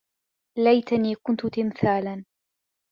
ليتني كنت تمثالا.